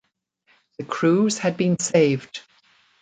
The crews had been saved.